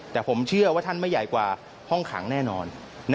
แต่ผมเชื่อว่าท่านไม่ใหญ่กว่าห้องขังแน่นอน